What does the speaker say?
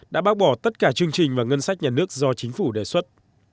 đã bác bỏ tất cả chương trình và ngân sách nhà nước do chính phủ đề xuất